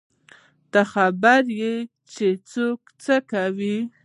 ته خبر يې چې څه يې کول.